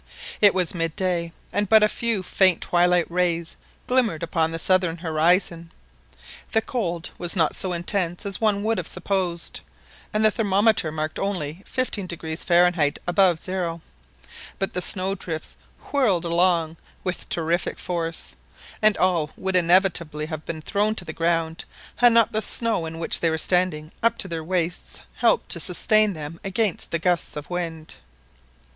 It was mid day, and but a few faint twilight rays glimmered upon the southern horizon. The cold was not so intense as one would have supposed, and the thermometer marked only 15° Fahrenheit above zero; but the snow drifts whirled along with terrific force, and all would inevitably have been thrown to the ground, had not the snow in which they were standing up to their waists helped to sustain them against the gusts of wind.